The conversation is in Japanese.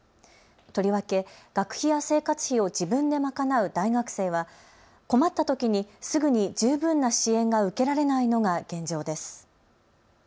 とりわけ学費や生活費を自分で賄う大学生は困ったときにすぐに十分な支援が受けられないのが現状です。